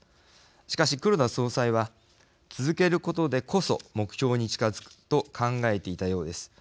しかし、黒田総裁は続けることでこそ目標に近づくと考えていたようです。